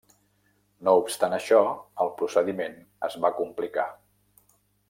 No obstant això, el procediment es va complicar.